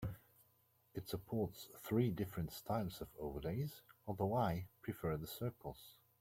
It supports three different styles of overlays, although I prefer the circles.